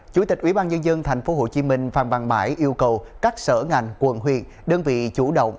chủ tịch ubnd tp hcm phan văn mãi yêu cầu các sở ngành quận huyện đơn vị chủ động